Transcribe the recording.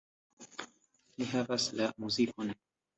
Mi havas la muzikon.